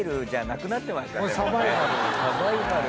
もうサバイバル。